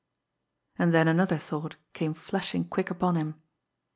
And then another thought came flashing quick upon him.